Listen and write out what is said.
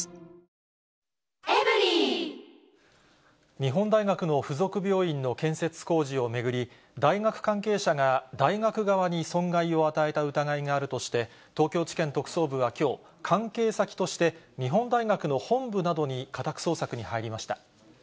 日本大学の付属病院の建設工事を巡り、大学関係者が大学側に損害を与えた疑いがあるとして、東京地検特捜部はきょう、関係先として日本大学の本部などに家宅捜索に入りました。